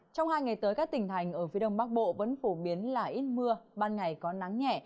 trong hai ngày tới các tỉnh thành ở phía đông bắc bộ vẫn phổ biến là ít mưa ban ngày có nắng nhẹ